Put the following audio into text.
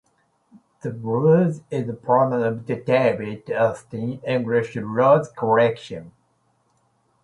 The rose is part of the David Austin English Rose Collection.